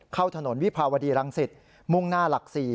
เข้าถนนวิภาวดีรังสิตมุ่งหน้าหลัก๔